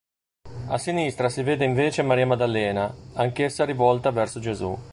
A sinistra si vede invece Maria Maddalena, anch'essa rivolta verso Gesù.